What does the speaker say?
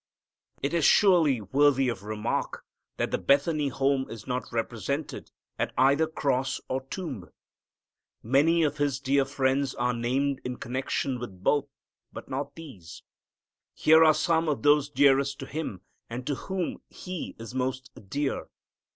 It is surely worthy of remark that the Bethany home is not represented at either cross or tomb. Many of His dear friends are named in connection with both, but not these. Here are some of those dearest to Him, and to whom He is most dear.